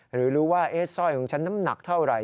หรือรู้ว่าสร้อยของฉันน้ำหนักเท่าไหร่